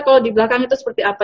kalau di belakang itu seperti apa